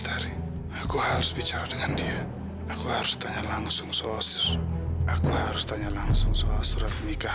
aku harus ketuk mereka